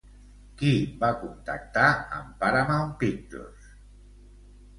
Qui va contactar amb Paramount Pictures?